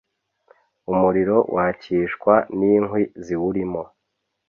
Umuriro wakishwa n’inkwi ziwurimo,